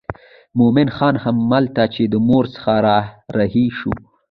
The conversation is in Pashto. مومن خان هلته چې د مور څخه را رهي شو.